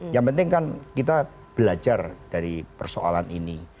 yang penting kan kita belajar dari persoalan ini